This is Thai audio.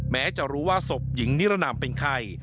แม้จะรู้ว่าศพหญิงนิรนามเป็นใคร